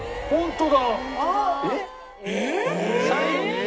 本当だ。